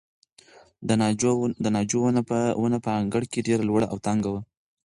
د ناجو ونه په انګړ کې ډېره لوړه او دنګه وه.